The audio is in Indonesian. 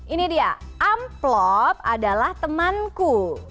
ini dia amplop adalah temanku